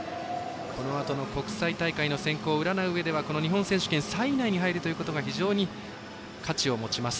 このあとの国際大会の選考を占ううえでは日本選手権で３位以内に入ることが非常に価値を持ちます。